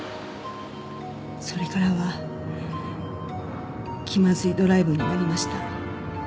それからは気まずいドライブになりました。